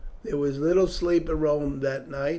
There was little sleep in Rome that night.